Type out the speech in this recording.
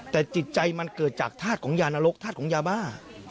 แต่จิตใจมันเกิดจากธาตุของยานรกธาตุของยาบ้า